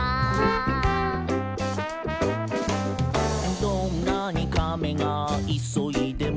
「どんなにカメがいそいでも」